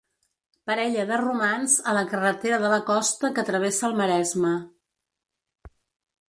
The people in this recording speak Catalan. Parella de romans a la carretera de la costa que travessa el Maresme.